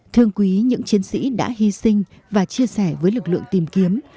thương quý những chiến sĩ đã hy sinh và chia sẻ với lực lượng tìm kiếm